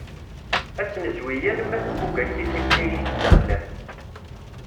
Ad tt-nezwi alma temmug akkit akkayi d taxlaft.